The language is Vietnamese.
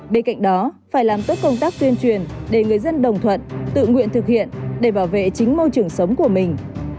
bên cạnh đó phải làm tốt công tác tuyên truyền để người dân đồng thuận tự nguyện thực hiện để bảo vệ chính môi trường sống của mình